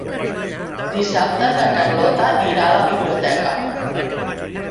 Dissabte na Carlota irà a la biblioteca.